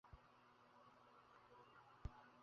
কয়েকদিন আগে সাতগাঁয়ে সে একটি বসম্ভের রোগী দেখিতে গিয়াছিল।